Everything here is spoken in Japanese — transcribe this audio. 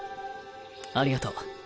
ありがとう。